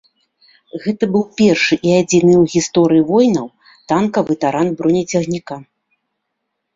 Гэта быў першы і адзіны ў гісторыі войнаў танкавы таран бронецягніка.